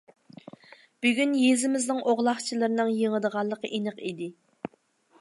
بۈگۈن يېزىمىزنىڭ ئوغلاقچىلىرىنىڭ يېڭىدىغانلىقى ئېنىق ئىدى.